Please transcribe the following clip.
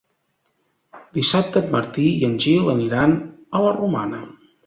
Dissabte en Martí i en Gil aniran a la Romana.